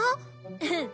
うん。